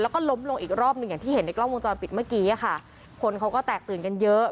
แล้วก็ล้มลงอีกรอบหนึ่งอย่างที่เห็นในกล้องวงจรปิดเมื่อกี้อ่ะค่ะคนเขาก็แตกตื่นกันเยอะ